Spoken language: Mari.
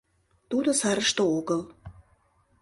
— Тудо сарыште огыл.